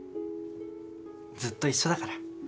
ずっと一緒だから。